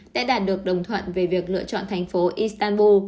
đã đạt được đồng thuận về việc lựa chọn thành phố istanbu